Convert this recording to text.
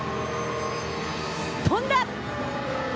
飛んだ！